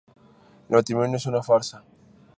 El matrimonio es una farsa.